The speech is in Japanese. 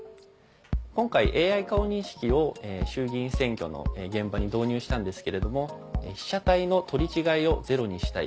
今回ＡＩ顔認識を衆議院選挙の現場に導入したんですけれども「被写体の取り違えをゼロにしたい」。